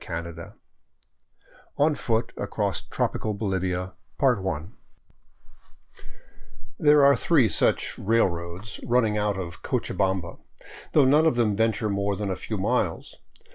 516 CHAPTER XIX ON FOOT ACROSS TROPICAL BOLIVIA THERE are three such "railroads'* running out of Cocha bamba, though none of them venture more than a few miles.